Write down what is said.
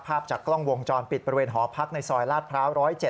ภาพจากกล้องวงจรปิดบริเวณหอพักในซอยลาดพร้าว๑๐๗